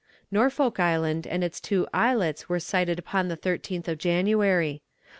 Norfolk Island and its two islets were sighted upon the 13th of January.